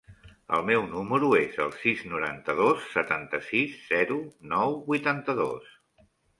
El meu número es el sis, noranta-dos, setanta-sis, zero, nou, vuitanta-dos.